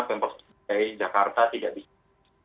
pemprov dki jakarta tidak bisa